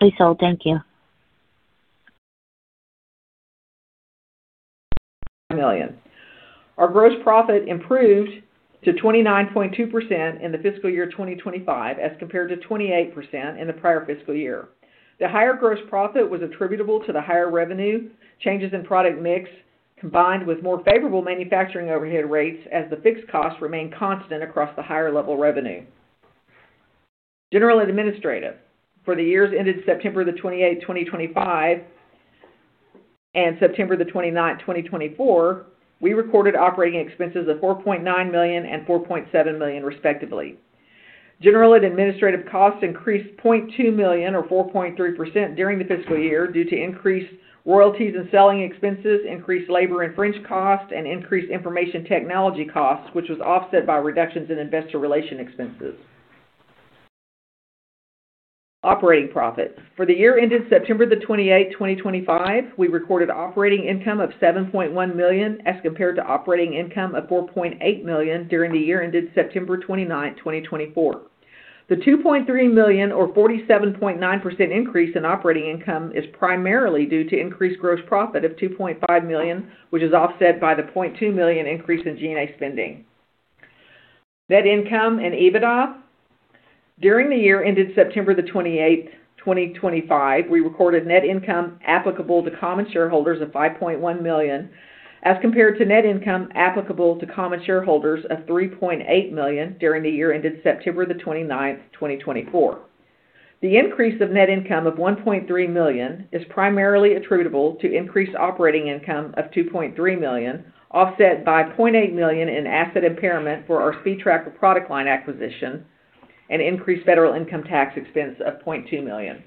Please hold. Thank you. Million. Our gross profit improved to 29.2% in the fiscal year 2025 as compared to 28% in the prior fiscal year. The higher gross profit was attributable to the higher revenue, changes in product mix, combined with more favorable manufacturing overhead rates as the fixed costs remained constant across the higher level revenue. General and Administrative, for the years ended September the 28th, 2025, and September the 29th, 2024, we recorded operating expenses of $4.9 million and $4.7 million, respectively. General and administrative costs increased $0.2 million, or 4.3%, during the fiscal year due to increased royalties and selling expenses, increased labor and fringe costs, and increased information technology costs, which was offset by reductions in investor relations expenses. Operating Profit. For the year ended September the 28th, 2025, we recorded operating income of $7.1 million as compared to operating income of $4.8 million during the year ended September 29th, 2024. The $2.3 million, or 47.9%, increase in operating income is primarily due to increased gross profit of $2.5 million, which is offset by the $0.2 million increase in G&A spending. Net Income and EBITDA. During the year ended September the 28th, 2025, we recorded net income applicable to common shareholders of $5.1 million as compared to net income applicable to common shareholders of $3.8 million during the year ended September the 29th, 2024. The increase of net income of $1.3 million is primarily attributable to increased operating income of $2.3 million, offset by $0.8 million in asset impairment for our SpeedTracker product line acquisition and increased federal income tax expense of $0.2 million.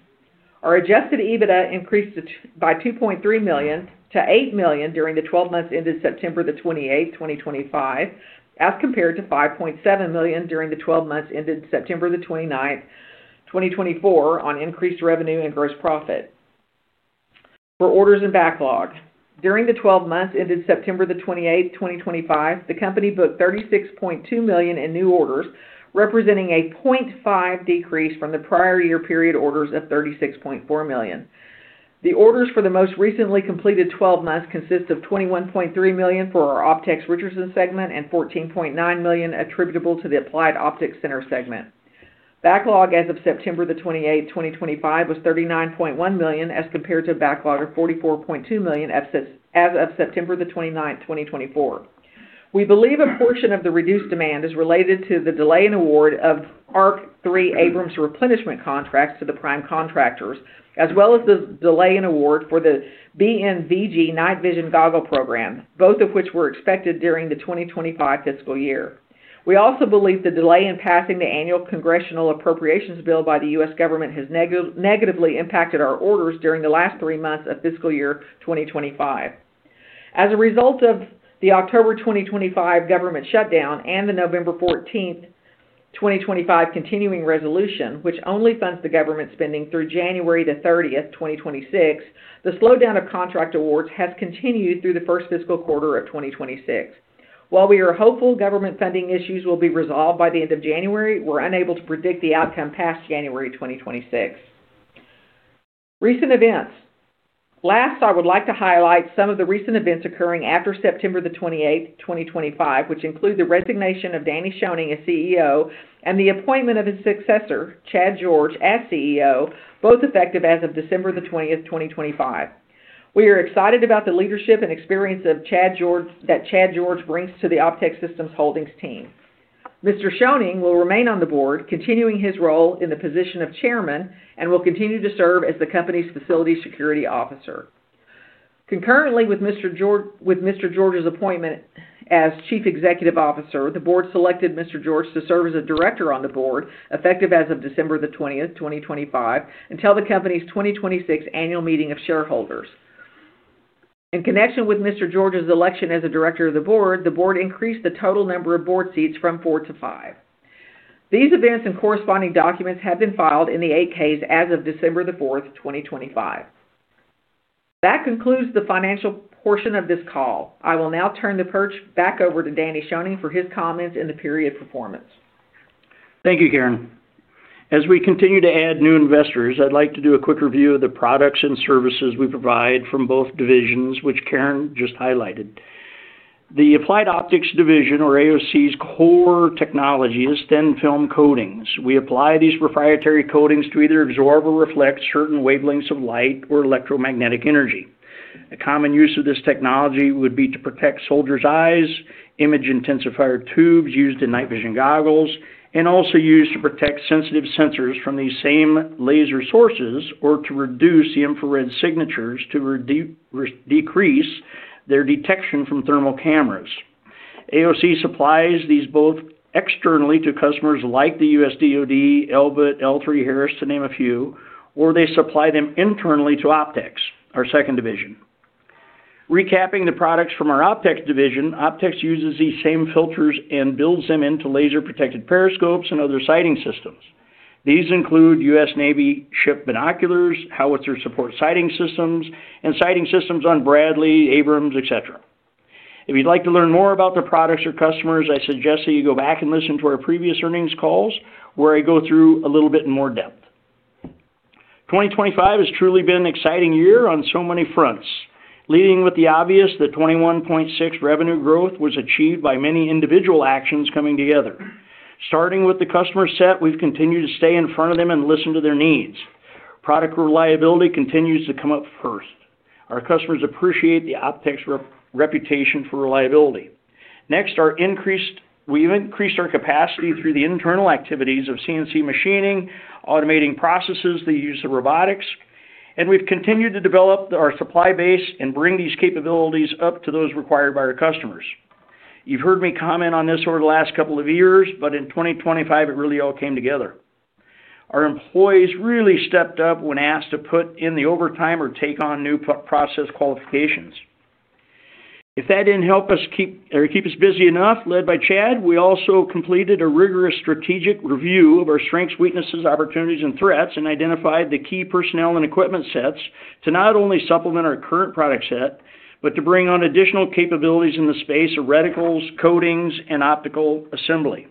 Our adjusted EBITDA increased by $2.3 million to $8 million during the 12 months ended September the 28th, 2025, as compared to $5.7 million during the 12 months ended September the 29th, 2024, on increased revenue and gross profit. For orders and backlog. During the 12 months ended September the 28th, 2025, the company booked $36.2 million in new orders, representing a 0.5% decrease from the prior year period orders of $36.4 million. The orders for the most recently completed 12 months consist of $21.3 million for our Optex Richardson segment and $14.9 million attributable to the Applied Optics Center segment. Backlog as of September the 28th, 2025, was $39.1 million as compared to a backlog of $44.2 million as of September the 29th, 2024. We believe a portion of the reduced demand is related to the delay in award of ARC3 Abrams replenishment contracts to the prime contractors, as well as the delay in award for the BNVG Night Vision Goggle program, both of which were expected during the 2025 fiscal year. We also believe the delay in passing the annual congressional appropriations bill by the U.S. government has negatively impacted our orders during the last three months of fiscal year 2025. As a result of the October 2025 government shutdown and the November 14th, 2025, continuing resolution, which only funds the government spending through January the 30th, 2026, the slowdown of contract awards has continued through the first fiscal quarter of 2026. While we are hopeful government funding issues will be resolved by the end of January, we're unable to predict the outcome past January 2026. Recent Events. Last, I would like to highlight some of the recent events occurring after September the 28th, 2025, which include the resignation of Danny Schoening, the CEO, and the appointment of his successor, Chad George, as CEO, both effective as of December the 20th, 2025. We are excited about the leadership and experience that Chad George brings to the Optex Systems Holdings team. Mr. Schoening will remain on the board, continuing his role in the position of Chairman, and will continue to serve as the company's Facility Security Officer. Concurrently with Mr. George's appointment as Chief Executive Officer, the board selected Mr. George to serve as a Director on the Board, effective as of December the 20th, 2025, until the company's 2026 annual meeting of shareholders. In connection with Mr. George's election as a Director of the Board, the board increased the total number of board seats from four to five. These events and corresponding documents have been filed in the 8-Ks as of December the 4th, 2025. That concludes the financial portion of this call. I will now turn the perch back over to Danny Schoening for his comments in the period performance. Thank you, Karen. As we continue to add new investors, I'd like to do a quick review of the products and services we provide from both divisions, which Karen just highlighted. The Applied Optics Division, or AOC's core technology, is thin film coatings. We apply these proprietary coatings to either absorb or reflect certain wavelengths of light or electromagnetic energy. A common use of this technology would be to protect soldiers' eyes, image-intensifier tubes used in night vision goggles, and also used to protect sensitive sensors from these same laser sources or to reduce the infrared signatures to decrease their detection from thermal cameras. AOC supplies these both externally to customers like the U.S. DoD, Elbit, L3Harris, to name a few, or they supply them internally to Optex, our second division. Recapping the products from our Optex division, Optex uses these same filters and builds them into laser-protected periscopes and other sighting systems. These include U.S. Navy ship binoculars, howitzer support sighting systems, and sighting systems on Bradley, Abrams, etc. If you'd like to learn more about the products or customers, I suggest that you go back and listen to our previous earnings calls where I go through a little bit in more depth. 2025 has truly been an exciting year on so many fronts, leading with the obvious that 21.6% revenue growth was achieved by many individual actions coming together. Starting with the customer set, we've continued to stay in front of them and listen to their needs. Product reliability continues to come up first. Our customers appreciate the Optex reputation for reliability. Next, we've increased our capacity through the internal activities of CNC machining, automating processes, the use of robotics, and we've continued to develop our supply base and bring these capabilities up to those required by our customers. You've heard me comment on this over the last couple of years, but in 2025, it really all came together. Our employees really stepped up when asked to put in the overtime or take on new process qualifications. If that didn't help us keep busy enough, led by Chad, we also completed a rigorous strategic review of our strengths, weaknesses, opportunities, and threats and identified the key personnel and equipment sets to not only supplement our current product set, but to bring on additional capabilities in the space of reticles, coatings, and optical assembly.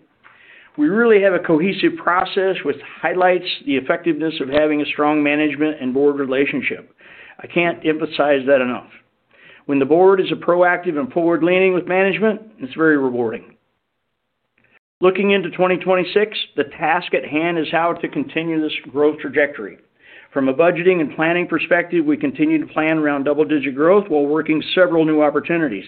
We really have a cohesive process which highlights the effectiveness of having a strong management and board relationship. I can't emphasize that enough. When the board is proactive and forward-leaning with management, it's very rewarding. Looking into 2026, the task at hand is how to continue this growth trajectory. From a budgeting and planning perspective, we continue to plan around double-digit growth while working several new opportunities.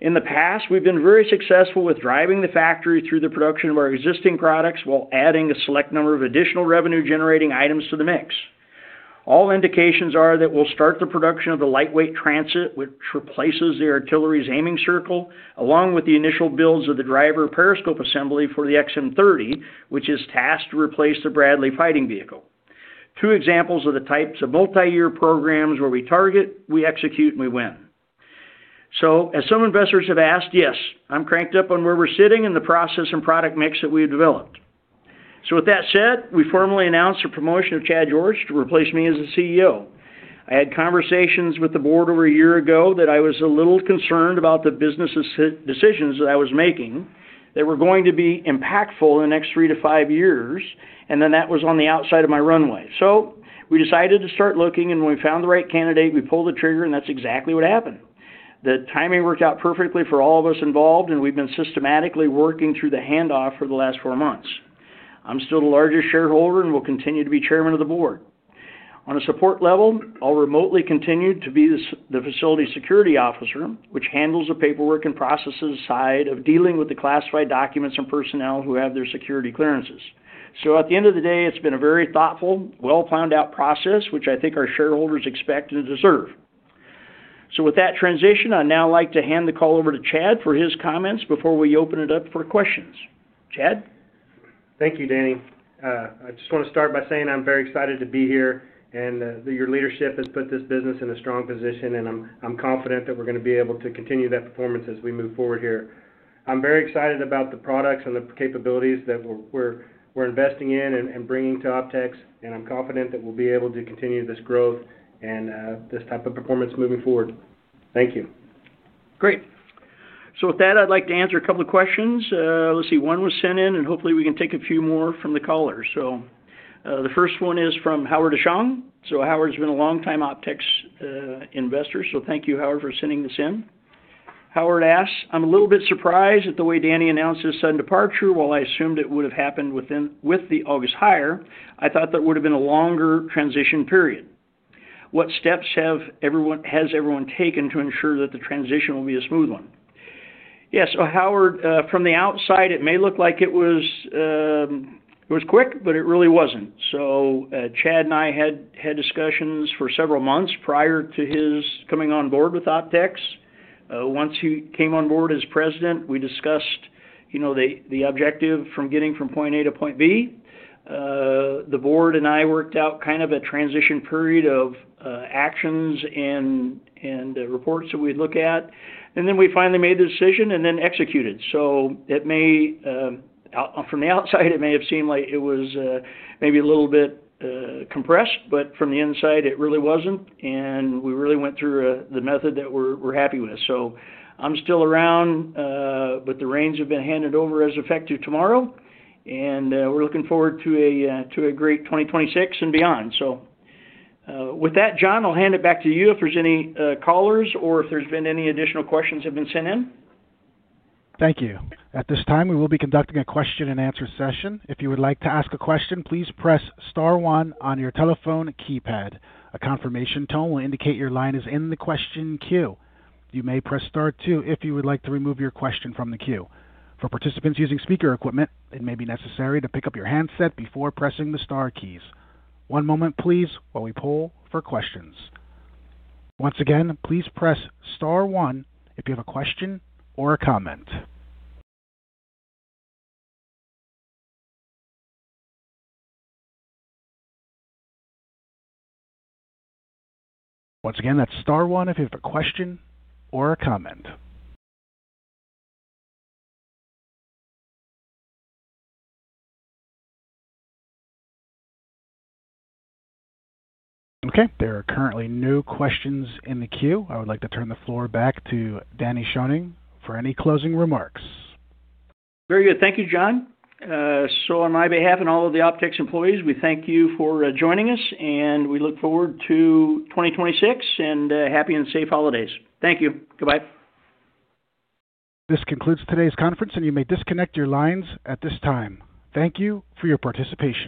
In the past, we've been very successful with driving the factory through the production of our existing products while adding a select number of additional revenue-generating items to the mix. All indications are that we'll start the production of the Lightweight Transit, which replaces the artillery's aiming circle, along with the initial builds of the driver periscope assembly for the XM30, which is tasked to replace the Bradley Fighting Vehicle. Two examples of the types of multi-year programs where we target, we execute, and we win. As some investors have asked, yes, I'm cranked up on where we're sitting in the process and product mix that we've developed. With that said, we formally announced the promotion of Chad George to replace me as the CEO. I had conversations with the board over a year ago that I was a little concerned about the business decisions that I was making that were going to be impactful in the next three to five years, and then that was on the outside of my runway. We decided to start looking, and when we found the right candidate, we pulled the trigger, and that's exactly what happened. The timing worked out perfectly for all of us involved, and we've been systematically working through the handoff for the last four months. I'm still the largest shareholder and will continue to be Chairman of the Board. On a support level, I'll remotely continue to be the Facility Security Officer, which handles the paperwork and processes side of dealing with the classified documents and personnel who have their security clearances. So, at the end of the day, it's been a very thoughtful, well-pounded-out process, which I think our shareholders expect and deserve. So, with that transition, I'd now like to hand the call over to Chad for his comments before we open it up for questions. Chad? Thank you, Danny. I just want to start by saying I'm very excited to be here and that your leadership has put this business in a strong position, and I'm confident that we're going to be able to continue that performance as we move forward here. I'm very excited about the products and the capabilities that we're investing in and bringing to Optex, and I'm confident that we'll be able to continue this growth and this type of performance moving forward. Thank you. Great. So, with that, I'd like to answer a couple of questions. Let's see. One was sent in, and hopefully we can take a few more from the callers. So, the first one is from Howard Ashong. So, Howard's been a longtime Optex investor, so thank you, Howard, for sending this in. Howard asks, "I'm a little bit surprised at the way Danny announced his sudden departure while I assumed it would have happened with the August hire. I thought there would have been a longer transition period. What steps has everyone taken to ensure that the transition will be a smooth one?" Yeah. So, Howard, from the outside, it may look like it was quick, but it really wasn't. So, Chad and I had discussions for several months prior to his coming on board with Optex. Once he came on board as President, we discussed the objective from getting from point A to point B. The board and I worked out kind of a transition period of actions and reports that we'd look at, and then we finally made the decision and then executed. So, from the outside, it may have seemed like it was maybe a little bit compressed, but from the inside, it really wasn't, and we really went through the method that we're happy with. So, I'm still around, but the reins have been handed over, effective tomorrow, and we're looking forward to a great 2026 and beyond. So, with that, John, I'll hand it back to you if there's any callers or if there's been any additional questions that have been sent in. Thank you. At this time, we will be conducting a question-and-answer session. If you would like to ask a question, please press star one on your telephone keypad. A confirmation tone will indicate your line is in the question queue. You may press star two if you would like to remove your question from the queue. For participants using speaker equipment, it may be necessary to pick up your handset before pressing the star keys. One moment, please, while we poll for questions. Once again, please press star one if you have a question or a comment. Once again, that's star one if you have a question or a comment. Okay. There are currently no questions in the queue. I would like to turn the floor back to Danny Schoening for any closing remarks. Very good. Thank you, John. So, on my behalf and all of the Optex employees, we thank you for joining us, and we look forward to 2026 and happy and safe holidays. Thank you. Goodbye. This concludes today's conference, and you may disconnect your lines at this time. Thank you for your participation.